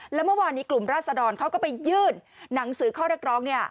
แล้วเมื่อวานนี้กลุ่มราศดรเขาก็ไปยื่นหนังสือข้อเรียกร้อง